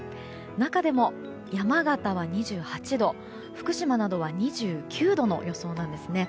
中でも、山形は２８度福島などは２９度の予想なんです。